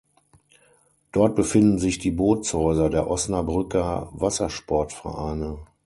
Dort befinden sich die Bootshäuser der Osnabrücker Wassersportvereine.